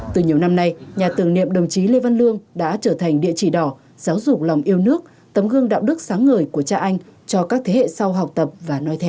từ nhiều năm nay nhà tưởng niệm đồng chí lê văn lương đã trở thành địa chỉ đỏ giáo dục lòng yêu nước tấm gương đạo đức sáng ngời của cha anh cho các thế hệ sau học tập và nói theo